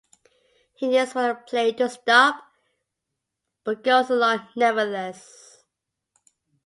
He yearns for the playing to stop, but goes along nevertheless.